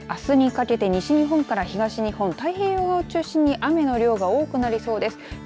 そして、あすにかけて西日本から東日本太平洋側を中心に雨の量が多くなりそうです。